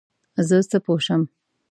زه څه پوه شم ؟